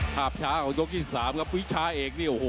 หาปช้าตกที่๓ครับปุ๊ช้าเอกนี่โอ้โห